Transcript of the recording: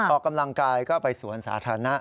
ออกกำลังกายก็ไปสวนสาธารณะ